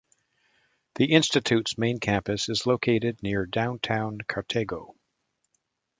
The institute's main campus is located near downtown Cartago.